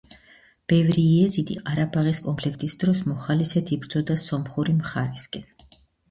ბევრი იეზიდი ყარაბაღის კონფლიქტის დროს მოხალისედ იბრძოდა სომხური მხარისკენ.